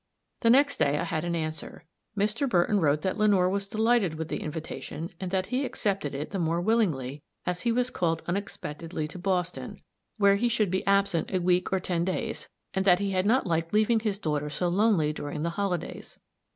The next day I had an answer. Mr. Burton wrote that Lenore was delighted with the invitation, and that he accepted it the more willingly, as he was called unexpectedly to Boston, where he should be absent a week or ten days, and that he had not liked leaving his daughter so lonely during the holidays.